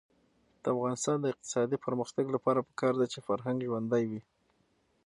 د افغانستان د اقتصادي پرمختګ لپاره پکار ده چې فرهنګ ژوندی وي.